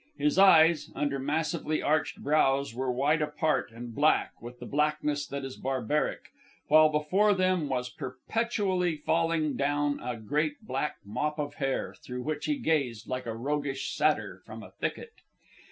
His eyes, under massively arched brows, were wide apart and black with the blackness that is barbaric, while before them was perpetually falling down a great black mop of hair through which he gazed like a roguish satyr from a thicket.